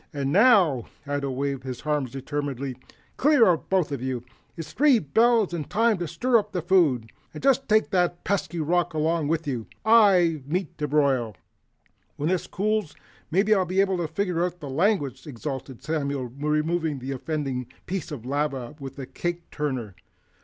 And NOW " Ato waved his arms determinedly. "Clear out, both of you. It's three bells and time to stir up the food. And just take that pesky rock along with you. I've meat to broil!" "When this cools, maybe I'll be able to figure out the language," exulted Samuel, removing the offending piece of lava with a cake turner.